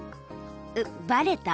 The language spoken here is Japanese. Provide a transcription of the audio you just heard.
うっバレた？